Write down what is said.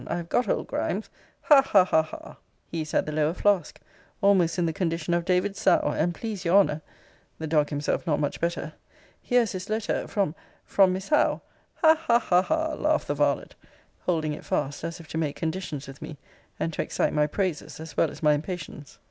I have got old Grimes hah, hah, hah, hah! He is at the Lower Flask almost in the condition of David's sow, and please your honour [the dog himself not much better] here is his letter from from Miss Howe ha, ha, ha, ha,' laughed the varlet; holding it fast, as if to make conditions with me, and to excite my praises, as well as my impatience.